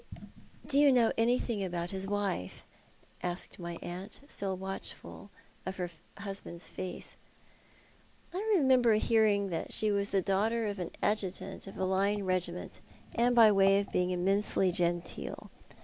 " Do you know anything about his wife ?" asked my aunt, still watchful of her husband's face. "I remember hearing that she was the daughter of an adjutant of a line regiment, and by way of being immensely genteel.